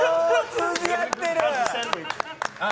通じ合ってる！